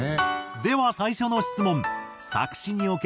では最初の質問。